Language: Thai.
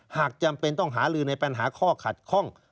จำเป็นต้องหาลือในปัญหาข้อขัดข้อง